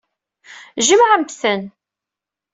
Jemɛemt-ten.